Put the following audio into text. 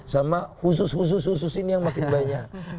sama khusus khusus khusus ini yang makin banyak